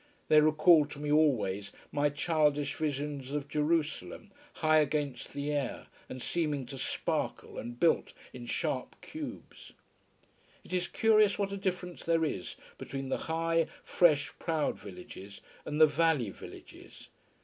They recall to me always my childish visions of Jerusalem, high against the air, and seeming to sparkle, and built in sharp cubes. It is curious what a difference there is between the high, fresh, proud villages and the valley villages.